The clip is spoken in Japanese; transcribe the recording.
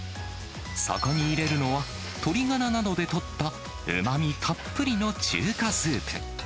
そこに入れるのは、鶏がらなどでとったうまみたっぷりの中華スープ。